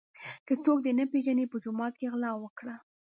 که څوک دي نه پیژني په جومات کي غلا وکړه.